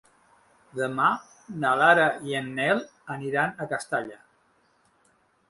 Demà na Lara i en Nel aniran a Castalla.